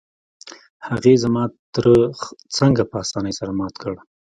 هغې زما تره څنګه په اسانۍ سره مات کړ؟